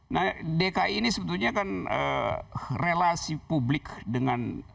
nah dki ini sebetulnya kan relasi publik dengan